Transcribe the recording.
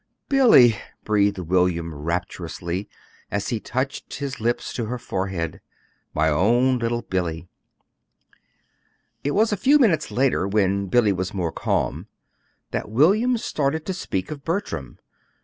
"Billy!" breathed William rapturously, as he touched his lips to her forehead. "My own little Billy!" It was a few minutes later, when Billy was more calm, that William started to speak of Bertram.